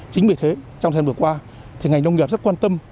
chính vì thế trong thời gian vừa qua thì ngành nông nghiệp rất quan tâm